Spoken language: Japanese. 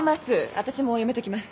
私もやめときます